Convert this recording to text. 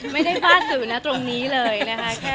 ไม่ได้ฟาดสื่อนะตรงนี้เลยนะคะ